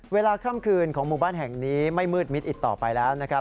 ค่ำคืนของหมู่บ้านแห่งนี้ไม่มืดมิดอีกต่อไปแล้วนะครับ